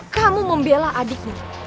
kamu membela adikmu